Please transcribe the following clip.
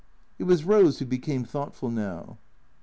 It was Eose who became thoughtful now.